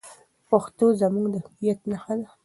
پښتو زموږ د هویت نښه ده.